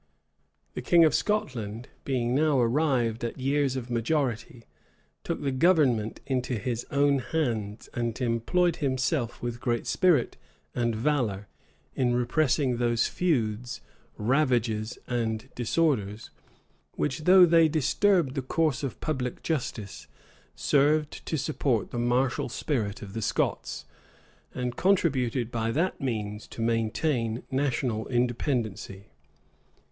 The king of Scotland, being now arrived at years of majority, took the government into his own hands; and employed him self with great spirit and valor in repressing those feuds, ravages, and disorders, which, though they disturbed the course of public justice, served to support the martial spirit of the Scots, and contributed by that means to maintain national independency.